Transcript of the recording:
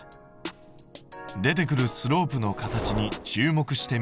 出てくるスロープの形に注目して見てみよう。